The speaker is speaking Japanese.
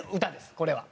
これは。